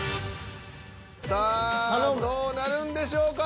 さあどうなるんでしょうか。